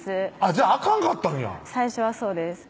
じゃああかんかったんや最初はそうです